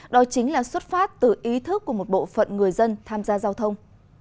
đó chính là xuất phát từ ý thức của một bộ phận người dân tham gia giao thông